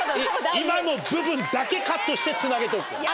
今の部分だけカットしてつなげておくから。